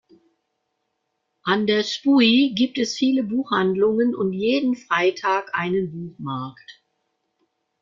An der Spui gibt es viele Buchhandlungen und jeden Freitag einen Buchmarkt.